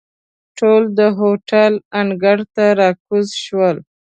ټول د هوټل انګړ ته را کوز شول.